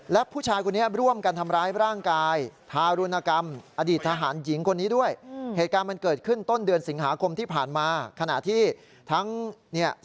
แล้วก็คบหาเป็นแฟนกับเจนุสด้วย